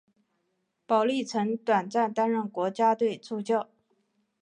保历曾短暂担任国家队助教。